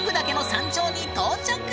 山頂に到着！